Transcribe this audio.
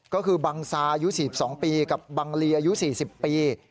ก็คือบังซาอายุ๔๒ปีกับบังลีอายุ๔๐ปี